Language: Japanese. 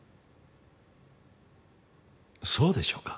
そうでしょうか？